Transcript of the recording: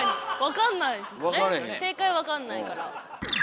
正解わかんないから。